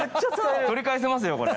取り返せますよこれ。